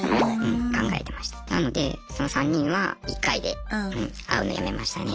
なのでその３人は１回で会うのやめましたね。